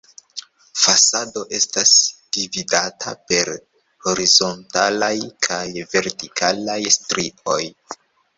Fasado estas dividata per horizontalaj kaj vertikalaj strioj.